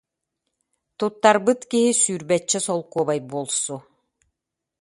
Туттар- быт киһи сүүрбэччэ солкуобай буолсу